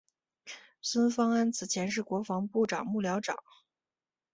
孙芳安此前是国防部长幕僚长。